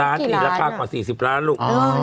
๔๐๕๐ล้านทีละกากว่า๔๐ล้านลูก